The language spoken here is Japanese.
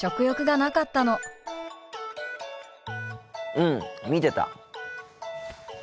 うん見てた。